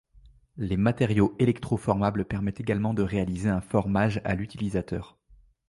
Les matériaux électroformables permettent également de réaliser un formage à l'utilisateur.